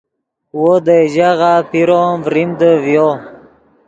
وو دئے ژاغہ پیرو ام ڤریمدے ڤیو